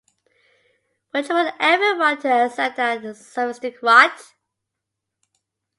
Would you want every one to accept that sophistic rot?